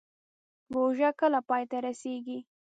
پروژه کله پای ته رسیږي؟